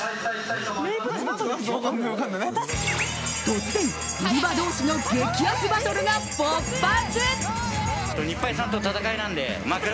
突然、売り場同士の激安バトルが勃発。